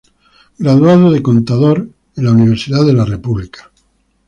Graduado de contador en la Universidad de la República.